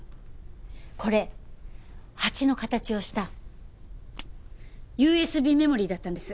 これハチの形をしたＵＳＢメモリーだったんです。